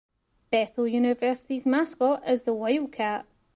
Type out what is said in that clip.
Bethel University's mascot is the Wildcat.